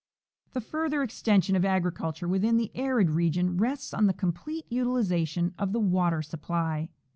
The further extension of agriculture within the arid region rests on the complete utilization of the water supply.